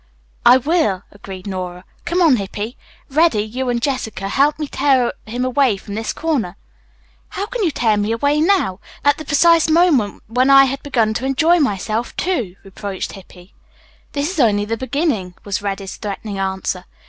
"I will," agreed Nora. "Come on, Hippy. Reddy, you and Jessica help me tear him away from this corner." "How can you tear me away now? At the precise moment when I had begun to enjoy myself, too?" reproached Hippy. "This is only the beginning," was Reddy's threatening answer.